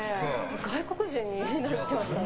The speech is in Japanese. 外国人になっていましたね。